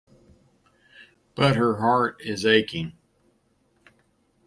But her heart is aching.